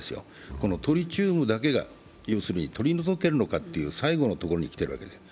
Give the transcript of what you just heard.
このトリチウムだけが要するに取り除けるのかって最後のところに来ているわけです。